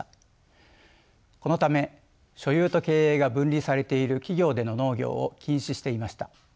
このため所有と経営が分離されている企業での農業を禁止していました。